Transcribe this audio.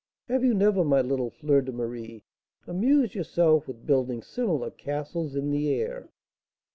Have you never, my little Fleur de Marie, amused yourself with building similar 'castles in the air?'"